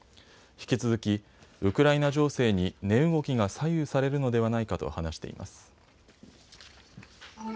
引き続き、ウクライナ情勢に値動きが左右されるのではないかと話しています。